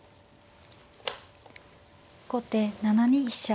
後手７二飛車。